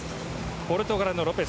ポルトガルのロペス。